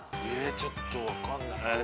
ちょっと分かんない。